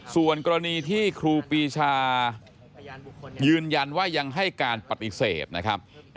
ส่วนกรณีที่ครูปีชายืนยันว่ายังให้การปฏิเสธนะครับ